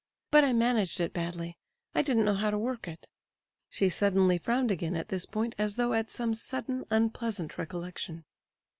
But I managed it badly; I didn't know how to work it." She suddenly frowned again at this point as though at some sudden unpleasant recollection.